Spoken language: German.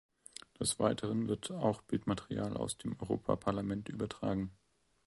Des Weiteren wird auch Bildmaterial aus dem Europaparlament übertragen.